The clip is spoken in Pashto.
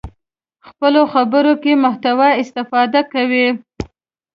خپلو خبرو کې محتوا استفاده کوي.